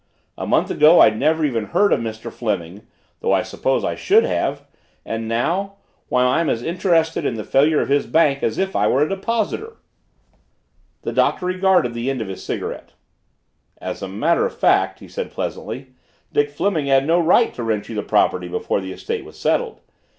A month ago I'd never even heard of Mr. Fleming though I suppose I should have and now why, I'm as interested in the failure of his bank as if I were a depositor!" The Doctor regarded the end of his cigarette. "As a matter of fact," he said pleasantly, "Dick Fleming had no right to rent you the property before the estate was settled.